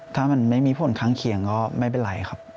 ถ้ามันไม่มีผลข้างเคียงก็ไม่เป็นไรครับ